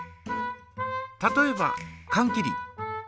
例えばかん切り。